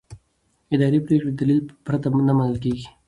اداري پریکړې د دلیل پرته نه منل کېږي.